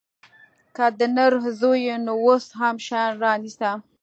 که د نر زوى يې نو اوس هم شيان رانيسه.